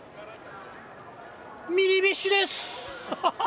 ミニビッシュです。